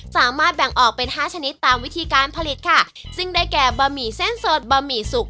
สามารถแบ่งออกเป็นห้าชนิดตามวิธีการผลิตค่ะซึ่งได้แก่บะหมี่เส้นสดบะหมี่สุก